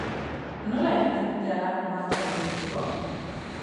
Nola egiten dute halako martxari eusteko?